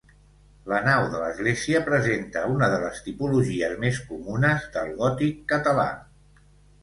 La nau de l'església presenta una de les tipologies més comunes del gòtic català.